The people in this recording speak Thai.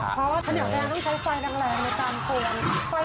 เพราะว่าข้าวเหนียวแดงต้องใช้ไฟแรงในการปวน